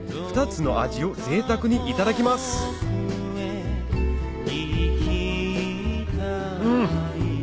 ２つの味をぜいたくにいただきますうん！